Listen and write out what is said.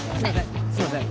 すいません。